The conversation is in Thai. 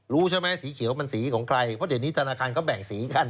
รู้ใช่ไหมสีเขียวมันสีของใครเพราะเดี๋ยวนี้ธนาคารเขาแบ่งสีกัน